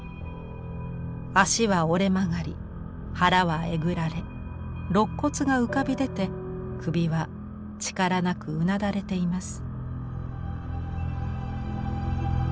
脚は折れ曲がり腹はえぐられろっ骨が浮かび出て首は力なくうなだれています。